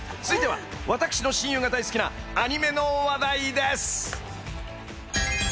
続いては私の親友が大好きなアニメの話題です。